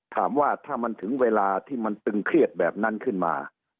ถามว่าถ้ามันถึงเวลาที่มันตึงเครียดแบบนั้นขึ้นมา